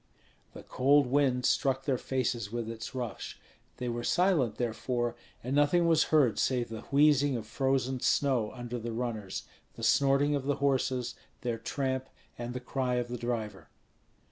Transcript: The cold wind struck their faces with its rush; they were silent, therefore, and nothing was heard save the wheezing of frozen snow under the runners, the snorting of the horses, their tramp, and the cry of the driver.